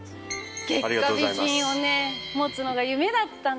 月下美人をね持つのが夢だったんです。